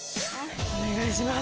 お願いします。